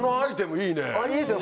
いいですよ